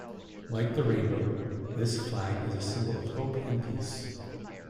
Like the rainbow, this flag is a symbol of hope and peace.